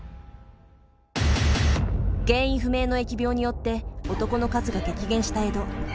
原因不明の疫病によって男の数が激減した江戸。